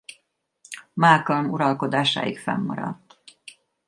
Malcolm uralkodásáig fennmaradt.